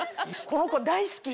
このコ大好き！